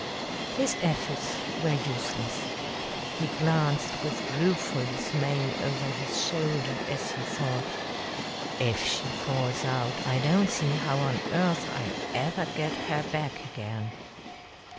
His efforts were useless. He glanced with rueful dismay over his shoulder as he thought, "If she falls out, I don't see how on earth I'll ever get her back again."